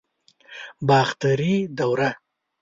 باختري دوره